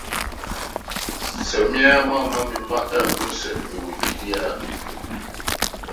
Sɛ me ara mamma me mma anhu sɛ mewɔ gyidi a